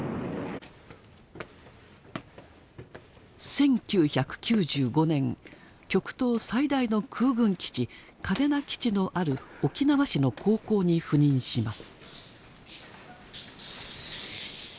１９９５年極東最大の空軍基地嘉手納基地のある沖縄市の高校に赴任します。